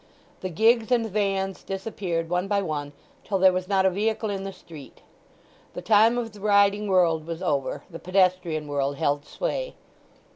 The gigs and vans disappeared one by one till there was not a vehicle in the street. The time of the riding world was over; the pedestrian world held sway.